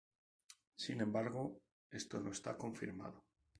Sin embargo, esto no está confirmado.